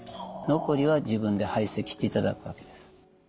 残りは自分で排泄していただくわけです。